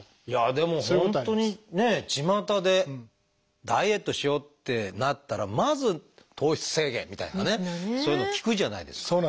いやあでも本当にねちまたでダイエットしようってなったらまず糖質制限みたいなねそういうの聞くじゃないですか。